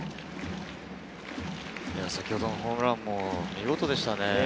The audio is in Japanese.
先ほどホームランも見事でしたね。